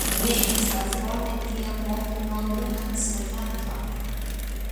Ne estas bone tiel moki maljunan servanton.